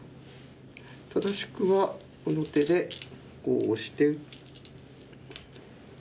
正しくはこの手でこうオシて。